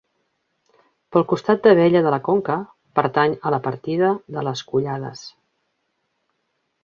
Pel costat d'Abella de la Conca, pertany a la partida de les Collades.